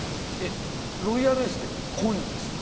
ロイヤルエースってコインですか。